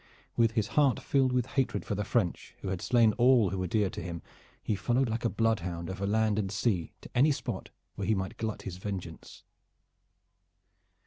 With his heart filled with hatred for the French who had slain all who were dear to him, he followed like a bloodhound over land and sea to any spot where he might glut his vengeance.